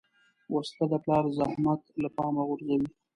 وسله د پلار زحمت له پامه غورځوي